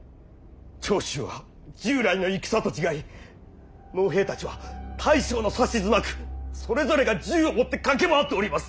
長州は従来の戦と違い農兵たちは大将の指図なくそれぞれが銃を持って駆け回っております！